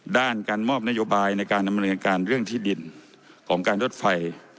ด้านการมอบนโยบายในการดำเนินการเรื่องที่ดินของการรถไฟ